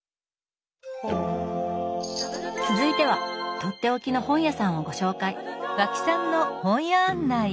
続いてはとっておきの本屋さんをご紹介。